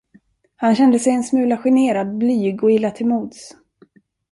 Han kände sig en smula generad, blyg och illa till mods.